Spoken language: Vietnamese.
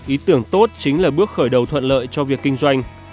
ý tưởng tốt chính là bước khởi đầu thuận lợi cho việc kinh doanh